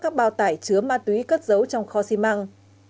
các bao tải chứa ma túy cất dấu trong kho xi măng